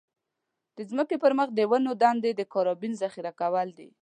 د ځمکې پر مخ د ونو دندې د کاربن ذخيره کول دي.